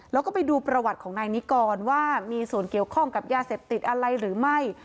แล้วก็ไปดูประวัติของนายนิกรว่ามีส่วนเกี่ยวข้องกับยาเสพติดอะไรหรือไม่